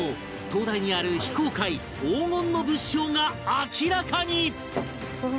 東大にある非公開黄金の物証が明らかに！